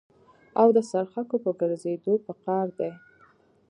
او د څرخکو په ګرځېدو په قار دي.